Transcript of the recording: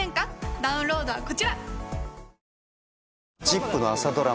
ダウンロードはこちら！